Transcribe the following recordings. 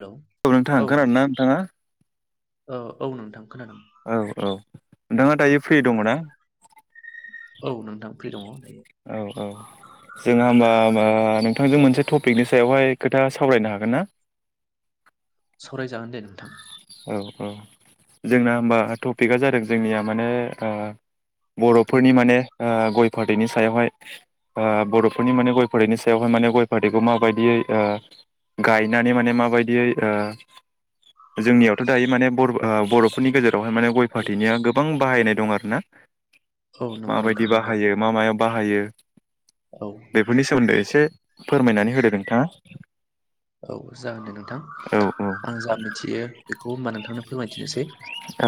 Hello औ नोंथां खोनादोंना नोंथाङा? ओ औ नोंथां। खोनादों औ औ। नोंथाङा दायो फ्रि दङ ना? औ नोंथां फ्रि दङ। औ औ जोंहा होमबा होमबा नोंथांजों मोनसे टपिकनि सायावहाय खोथा सावरायनो हागोन ना? [unintelligible] सावरायजागोन दे नोंथां। औ औ जोंना होनबा टपिकआ जादों जोंनिया माने ओ बर'फोरनि माने ओ गय फाथैनि सायावहाय ओ बर'फोरनि माने गय फाथैनि सायावहाय माने गय फाथैखौ माबादियै ओ गायनानै माने माबायदियै ओ जोंनियावथ' दायो माने बर' बर'फोरनि गेजेरावहाय माने गय फाथैनि गोबां बाहायनाय दं आरोना। औ नंगौ नोंथां माबायदि नंगौ बाहायो, मा मायाव बाहायो? औ बेफोरनि सोमोन्दै एसे फोरमायनानै होदो नोंथाङा। औ जागोन दे नोंथां। औ औ आं जा मिथियो बेखौ होमबा नों थांनो फोरमायथिनोसै। औ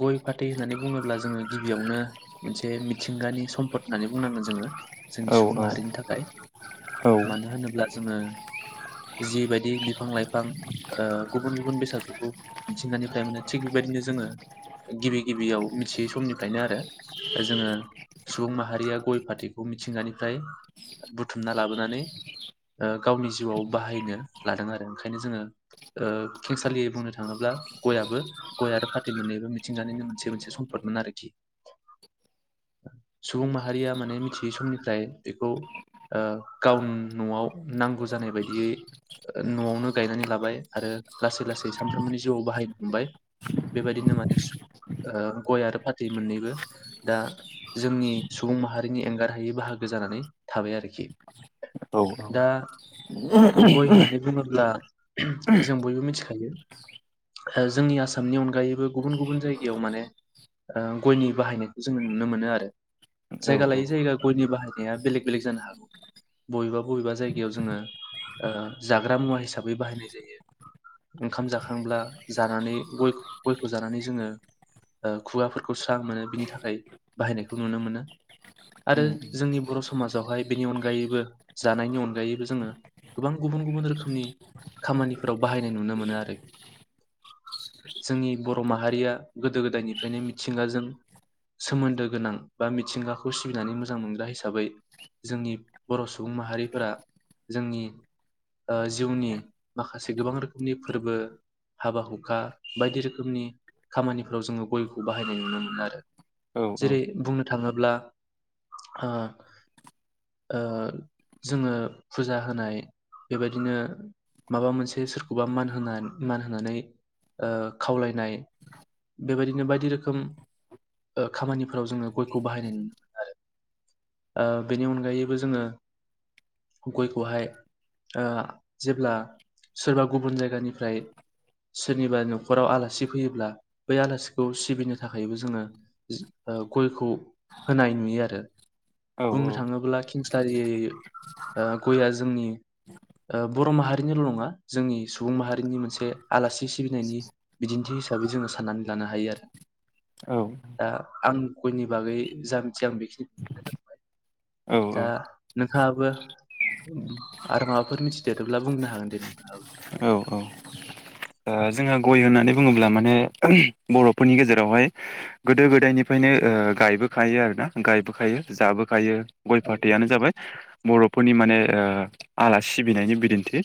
गय फाथै होननानै बुङोब्ला जोङो गिबियावनो मोनसे मिथिंगानि सम्पद होननानै बुंनां गोन जोङो, जोंनि औ सुबुं औ माहारिनि थाखाय। औ मानो होनो जिबादि बिफां लाइफां ओ गुबुन गुबुन बेसादफोरखौ मिथिंगानिफ्राय मोनो। थिग बेबायदिनो जोङो गिबि गिबियाव मिथियै समनिफ्रायनो आरो जोङो सुबुं माहारिया गय फाथैखौ मिथिंगानिफ्राय बुथुमना लाबोनानै गावनि जिउआव बाहायनो लादों आरो ओंखायनो जोङो ओ खेंसालियै बुंनो थाङोब्ला गयाबो गय आरो फाथै मोननैबो मिथिंजानायनि मोनसे मोनसे सम्पद। मोन आरोखि [inaudible] सुबुं माहारिया माने मिथियै समनिफ्राय बेखौ ओ गाव न'आव नांगौ जानाय बायदियै न'आवनो गायनानै लाबाय आरो लासै लासै सानफ्रोमबोनि जिउआव बाहायनो हमबाय बेबायदिनो मानि सु ओ गय आरो फाथै मोननैबो दा जोंनि सुबुं माहारिनि एंगारहायै बाहागो जानानै थाबाय आरोखि औ दा गय होननानै बुङोब्ला जों बयबो मिथिखायो जोंनि आसामनि अनगायैबो गुबुन गुबुन जायगायाव माने गयनि बाहायनायखौ जोङो नुनो मोनो आरो औ जायगा लायै जायगा गयनि बाहायनाया बेलेग बेलेग जानो हागौ बबेबा बबेबा जायगायाव जोङो ओ जाग्रा मुवा हिसाबै बाहायनाय जायो ओंखाम जाखांब्ला जानानै गय गयखौ जानानै जोङो ओ खुगाफोरखौ स्रां मोनो बिनि थाखाय बाहायनायखौ नुनो मोनो। आरो जोंनि बर' समाजावहाय बेनि अनगायैबो जानायनि अनगायैबो जोङो गोबां गुबुन गुबुन रोखोमनि खामानिफोराव बाहायनाय नुनो मोनो आरो जोंनि बर' माहारिया गोदो गोदायनिफ्रायनो मिथिंगाजों सोमोन्दो गोनां बा मिथिंगाखौ सिबिनानै मोजां मोनग्रा हिसाबै जोंनि बर' सुबुं माहारिफोरा जोंनि जिउनि माखासे गोबां रोखोमनि फोरबो। हाबा हुखा बायदि रोखोमनि खामानिफोराव जोङो गयखौ बाहायनाय नुनो मोनो आरो। औ जेरै बुंनो थाङोब्ला। जोङो फुजा होनाय बेबायदिनो माबा मोनसे सोरखौबा मान होना मान होनानै खावलायनाय। बेबायदिनो बायदि रोखोम खामानिफोराव जोङो गयखौ बाहायनाय नुनो मोनो आरो। बेनि अनगायैबो जोङो। [inaudible] गयखौहाय जेब्ला सोरबा गुबुन जायगानिफ्राय। सोरनिबा न'खराव आलासि फैयोब्ला बै आलासिखौ सिबिनो थाखायबो जोङो। गयखौ होनाय नुयो आरो बुंनो थाङोब्ला कें लियि गय जोंनि बर' माहारिनिल' नङा जोंनि सुबुं माहारिनि मोनसे आलासि सिबिनायनि बिदिन्थि। हिसाबै जोङो साननानै लानो हायो आरो। [inaudible] दा आं गयनि बागै जा मिथियामोन नोंथांआ बेखिनि बुंबाय। औ औ। नोंथाङाबो आरो माबाफोर मिथिदेरोब्ला बुंनो हागोन दे नोंथाङाबो। औ औ। जोंहा गय होननानै बुङोब्ला माने बर'फोरनि गेजेरावहाय गोदो गोदायनिफ्रायनो गायबोखायो आरोना गायबोखायो जाबोखायो। गय फाथैयानो जाबाय बर'फोरनि माने आलासि सिबिनायनि बिदिन्थि।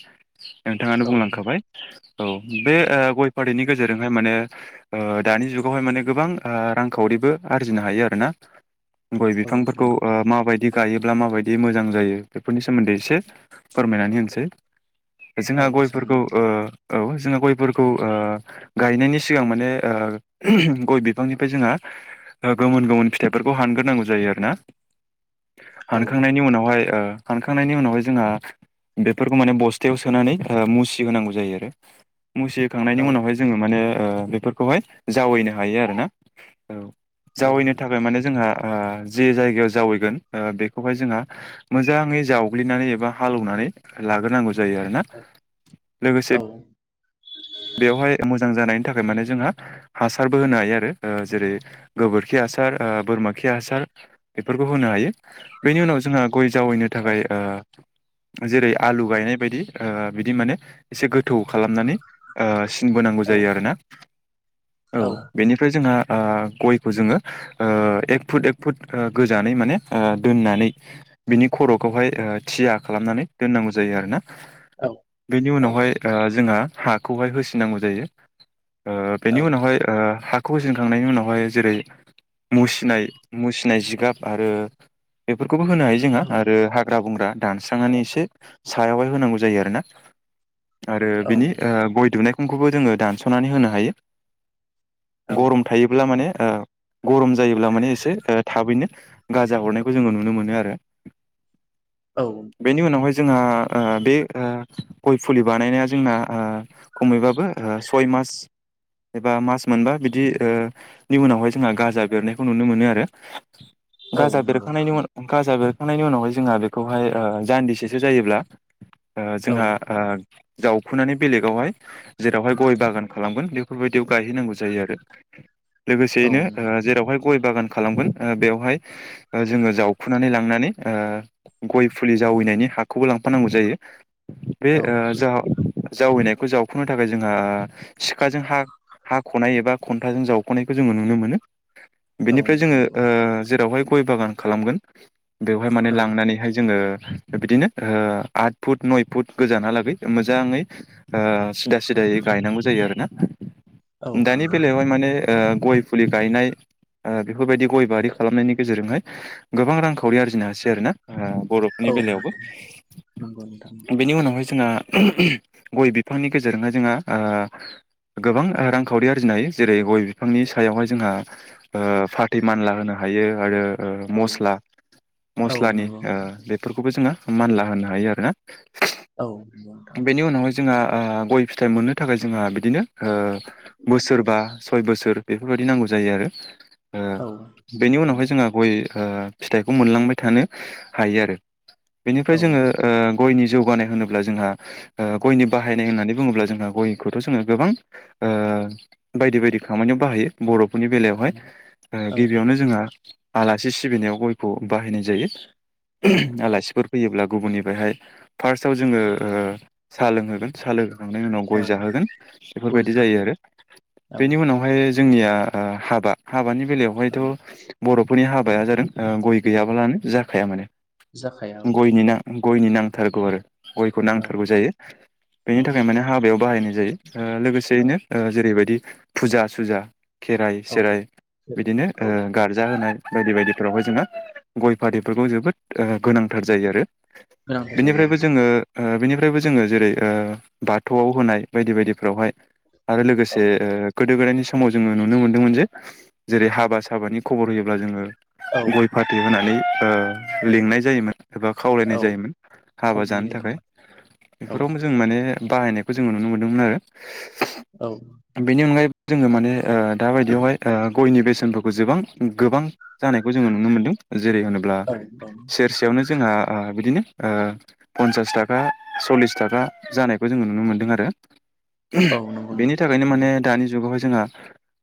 नोंथाङानो औ बुंलांखाबाय औ बे गय। हाफारिनि गेजेरजोंहाय माने दानि जुगावहाय माने गोबां रांखावरिबो आरजिनो हायो आरोना। गय औ बिफांफोरखौ नंगौ ओ माबायदि गायोब्ला माबायदि मोजां जायो बेफोरनि सोमोन्दै एसे फोरमायनानै होनोसै। औ जोंहा जागोन दे गयफोरखौ नोंथां ओ औ जोंहा गयफोरखौ ओ गायनायनि सिगां माने गय बिफांनिफ्राय जोंहा गुबुन गुबुन फिथाइफोरखौ हानग्रोनांगौ जायो आरोना औ हानखांनायनि उनावहाय ओ हानखांनायनि उनावहाय जोंहा बेफोरखौ माने बस्थायाव सोनानै ओ मुसि होनांगौ जायो आरो। मुसि होखांनायनि औ उनावहाय जोङो माने ओ बेफोरखौहाय जावैनो हायो आरोना औ औ जावैनो नोंथां थाखाय माने जोंहा ओ जे जायगायाव जावैगोन बेखौहाय जोंहा मोजाङै जावग्लिनानै एबा हालेवनानै लाग्रोनांगौ जा जायो आरोना औ औ लोगोसे बेवहाय मोजां जानायनि थाखाय माने जोंहा हासारबो होनो हायो आरो जेरै गोबोरखि हास हासार ओ बोरमा खि हासार बेफोरखौ होनो हायो बेनि उनाव जोंङो गय जावैनो थाखाय ओ जेरै आलु गायनाय बायदि ओ बिदि माने एसे गोथौ खालामनानै ओ सिन बोनांगौ औ जायो आरोना औ बेनिफ्राय जोंहा ओ गयखौ जोङो ओ एक फुट एक फुट ओ गोजानै माने ओ दोननानै बिनि खर'खौहाय थिया खालामनानै दोननांगौ जायो आरोना। औ बेनि उनावहाय ओ जोंहा हाखौहाय होसिननांगौ जायो। ओ बेनि औ उनावहाय ओ हाख खौ होसिनखांनायनि उनावहाय जेरै मुसिनाय मुसिनाय जिगाब आरो। बेफोरखौबो होनो हायो जोंहा आरो हाग्रा बंग्रा दानस्रांनानै एसे। सायावहाय होनांगौ जायो आरोना आरो बिनि ओ औ गय दुनायख खौबो जोङो दानस'नानै होनो हायो गरम थायोब्ला माने ओ गरम जायोब्ला माने एसे ओ थाबैनो गाजा हरनायखौ जोङो नुनो मोनो आरो। औ बेनि उनावहाय जोंहा ओ बे ओ गय फुलि बानायनाया जोंना ओ खमैबाबो ओ सय मास एबा मास मोनबा बिदि ओ नि उनावहाय जोंहा गाजा बेरनायखौ नुनो मोनो आरो। औ गाजा नंगौ बेरखांनायनि उन गाजा बेर खांनायनि उनावहाय जोंहा बेखौहाय ओ जान्दिसेसो जायोब्ला ओ औ जोंहा ओ बुखुनानै बेलेगावहाय जेरावहाय गय बागान खालामगोन बेफोरबायदियाव गायहैनांगौ जायो आरो। औ लोगोसेयैनो ओ नंगौ जेरावहाय गय बागान खालामगोन ओ बेवहाय जोङो जावखुनानै लांनानै ओ गय फुलि जावैनायनि हाखौबो लांफानांगौ जायो बे औ ओ जा जावैनायखौ जावखु'नो थाखाय जोंहा सिखाजों हा हाख'नाय एबा खन्थाजों जावख'नायखौ जोङो नुनो मोनो औ बेनिफ्राय जोङो नंगौ जेओ रावहाय गय बागान खालामगोन बेवहाय माने औ लांनानैहाय जोङो बिदिनो ओ आठ फुट नय फुट गोजानहालागै मोजाङै ओ सिदा सिदायै गायनांगौ जायो आरोना औ दानि नंगौ बेलायावहाय माने ओ गय फुलि गायनाय ओ बेफोरबायदि गय बारि खालामनायनि गेजेरजोंहाय गोबां रांखावरि आरजिनो हासै आरो ना। ओ बर'फोरनि औ बेलायावबो नंगौ नंगौ नोंथां बेनि उनावहाय जोंहा गय बिफांनि गेजेरजोंनो जोङो ओ गोबां रांखावरि आरजिनो हायो जेरै - गय बिफांनि सायावहाय जोंहा ओ फाथै मानला होनो हा हायो आरोओ औ मस्ला औ मस्लानि नंगौ ओ नोंथां बेफोरखौबो जोङो मानला होनो हायो आरो ना। औ नोंगौ नोंथां! बेनि उनावहाय जोंहा ओ गय फिथाइ मोननो थाखाय जोंहा बिदिनो ओ बोसोरबा सय बोसोर बेफोरबायदि नांगौ जायो आरो ओ औ बेनि उनावहाय नंगौ जोंहा गय ओ फिथाइखौ मोनलांबाय थानो हायो आरो बेनिफ्राय औ जोङो ओ गयनि जौ जग बानाय होननानै बुङोब्ला जोंहा ओ गयनि बाहायनाय होननानै बुङोब्ला जों हा ओ गयखौथ' जोङो गोबां ओ बायदि बायदि खामानियाव बाहायो बर' बेनि बेलायावहाय ओ औ गिबियावनो जोंहा आलासि सिबिनायाव गयखौ बाहायनाय जायो औ आलासिफोर फैयोब्ला गुबुननिफ्रायहाय फार्स्टआव जोङो ओ साहा लोंहोगोन साहा लों खांनायनि उनाव गय औ जाहोगोन गय बेफोरबायदि जायो जाहैयो आरो औ बेनि उनावहाय जोंनिया आ हाबा हाबानि बेलायावहायथ' औ बर'फोरनि हाबाया जादों ओ गय गैयाबालानो जाखाया माने जाखाया औ गयनि ना गयनि नांथारगौ आरो गयखौ औ नांथारगौ जायो। औ बेनि थाखाय माने हाबायाव बाहायनाय जायो ओ औ लोगोसेयैनो ओ जेरै बेबायदि फुजा सुजा खेराइ औ सेराइ बिदिनो ओ औ गार्जा होनाय बायदि बायदिफोरावहाय जोंङो गय फाथैफोरखौ जोबोद गोनांथार जायो आरो गोनांथार जायो बेनिफ्रायबो जोङो ओ बेनिफ्रायबो जोङो जेरै ओ बाथौआव होनाय बायदि बायदिफ्रावहाय आरो औ लोगोसे ओ गोदो गोदायनि समाव जोङो नुनो मोनदोंमोन जे जेरै हाबा साबानि खबर होयोब्ला जोङो औ गय फाथै होनानै ओ लिंनाय जायोमोन। एबा खावलायनाय औ जायोमोन हाबा जानो खावलायनाय थाखाय जायो औ बेफोरावबो जों माने बाहायनायखौ जोङो नुनो मोनदोंमोन आरो औ बेनि अनगायैबो जोङो माने ओ दाबायदियावहाय ओ गयनि बेसेनफोरखौ जोबां गोबां जानायखौ जोङो नुनो मोनदों। जेरै होनोब्ला औ औ सेरसेयावनो जोंहा ओ बिदिनो ओ पन्सास थाखा सल्लिस थाखा जानायखौ जोङो नुनो मोनदों आरो। औ नंगौ बेनि नोंथां थाखायनो नंगौ माने दानि जुगावहाय जोंहा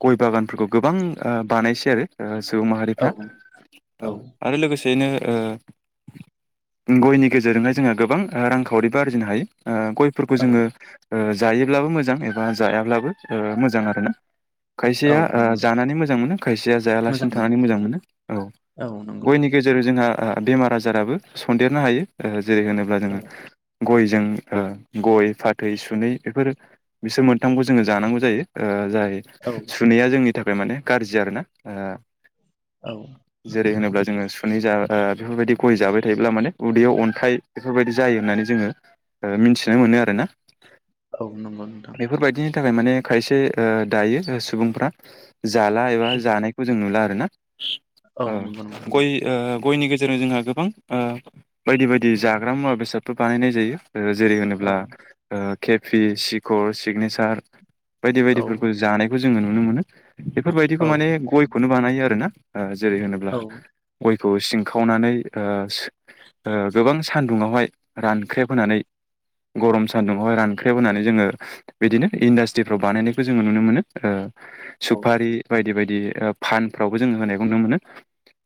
गय बागानफोरखौ गोबां ओ बानायसै आरो सुबुं माहारिफ्रा औ औ आरो लोगोसेयैनो गयनि गेजेरजोंहाय जोंहा गोबां रांखावरिबो आरजिनो हायो गयफोरखौ औ जोङो ओ जायोब्लाबो मोजां एबा जायाब्लाबो मोजां आरो ना। औ खायसेया ओ नंगौ नोंथां जानानै मोजां मोनो खायसेया जायालासिनो थानानै मोजां मोनो औ। औ नंगौ गयनि गेजेरजों जोंहा बेमार आजाराबो सन्देरनो हायो जेरै होनोब्ला जोङो औ गयजों गय फाथै सुनै बेफोर बिसोर मोनथामखौ जोङो जानांगौ जायो ओ जाय औ सुनैया जोंनि थाखाय माने गाज्रि आरोना ओ औ जेरै होनोब्ला जोङो सुनै जा बेफोरबायदि गय जाबाय थायोब्ला माने उदैयाव अन्थाइ बेफोरबायदि जायो होननानै जोङो मिथिनो मोनो आरोना औ नंगौ नोंथां। नि थाखाय माने खायसे दायो सुबुंफ्रा जाला एबा खुब जानायखौ जों नुला आरो ना। औ नंगौ नोंथां गयनि ओ गेजेरजों जोंहा गोबां ओ बायदि बायदि जाग्रा मुवा बेसादफोर बाहायनाय जायो। जेरै औ होनोब्ला ओ केपि सिकर सिगनेसार बायदि औ बायदिफोरखौ जानायखौ जोङो नुनो मोनो बेफोरबायदिखौ औ माने गयखौनो बानायो आरो ना। जेरै होनोब्ला औ गय खौ सिंखावनानै ओ गोबां सान्दुंङावहाय रानख्रेब होनानै गरम सानदुंआवहाय रानख्रेबहोनानै जोङो बिदिनो इन्डास्ट्रिफ्राव बानायनायखौ जोङो नुनो मोनो। औ सुफारि बायदि बायदि फानफ्रावबो जोङो होनायखौ नुनो मोनो।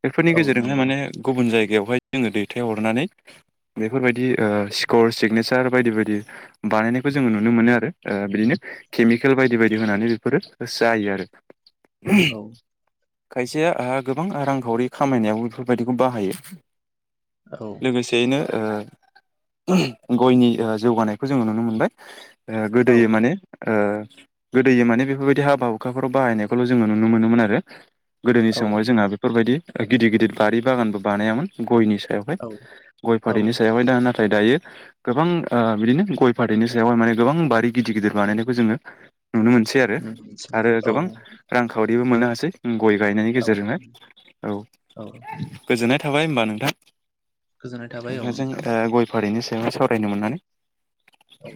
बेफोरनि औ गेजेरजोंहाय नंगौ माने नोंथां गुबुन जायगायावहाय जोङो दैथायहरनानै बे बेफोरबायदि ओ स्कर सिगनेसार बायदि बायदि बानायनायखौ जोङो नुनो मोनो आरो बिदिनो केमिकेल बायदि बायदि होनानै बेफोरो जायो आरो। औ। खायसेयाहा गोबां रांखावरि खामायनायाव बेफोरबायदिखौ बाहायो। औ लोगोसेयैनो गयनि जौगानायखौ जोङो नुनो मोनबाय। गोदो माने ओ गोदो माने बेफोरबायदि हाबा हुखाफोराव बाहायनायखौल' जोङो नुनो मोनोमोन आरो। गोदोनि औ समावहाय जोंहा बेफोरबायदि गिदिर गिदिर बारि बागानबो बानायामोन गयनि हाय औ गय औ फाथैनि सायावहाय नाथाय दायो गोबां बिदिनो गय फाथैनि सायावहाय माने गोबां बारि गिदिर गिदिर बानायनायखौ जों नुनो मोनसै आरो नोंथांनिसिम आरो औ गोबां रांखावरिबो मोननो हासै गय गायनायनि औ गेजेरजोंहाय औ औ गोजोननाय थाबाय होनबा नोंथां गोजोननाय थाबाय औ जों नोंथां गय फाथैनि सायाव सावरायनो मोननानै औ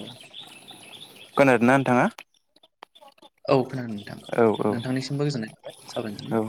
औ खोनादों ना नोंथाङा औ खोनादों नोंथां औ औ नोंथांनिसिमबो गोजोननाय थाबाय सावरायनानै औ